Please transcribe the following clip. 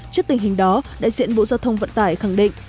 trước tình hình đó đại diện bộ giao thông vận tải khẳng định